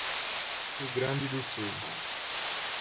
Rio Grande do Sul